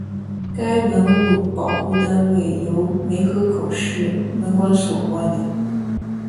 该文物保护单位由梅河口市文管所管理。